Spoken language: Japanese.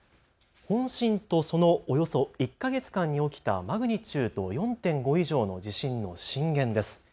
本震とそのおよそ１か月間に起きたマグニチュード４．５以上の地震の震源です。